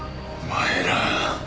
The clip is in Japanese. お前ら！